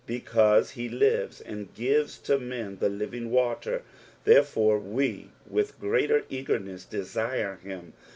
'" Because he lives, and gives to men the living water ; therefore we, with greater eagerness, desire him.